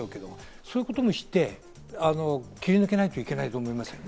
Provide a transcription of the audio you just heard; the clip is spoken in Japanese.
そういうことにして切り抜けないといけないと思いますね。